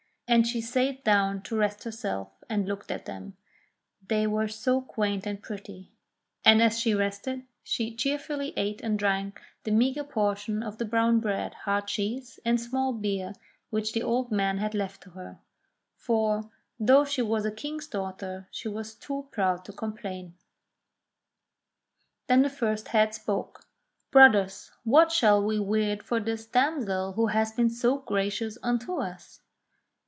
And she sate down to rest herself and looked at them, they were so quaint and pretty ; and as she rested she cheerfully ate and drank the meagre portion of the brown bread, hard cheese, and small beer which the old man had left to her ; for, though she was a king's daughter, she was too proud to complain. Then the first head spoke. "Brothers, what shall we weird for this damsel who has been so gracious unto us